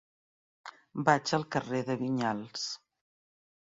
Vaig al carrer de Vinyals.